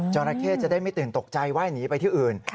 จอราเคจะได้ไม่ตื่นตกใจว่าให้หนีไปที่อื่น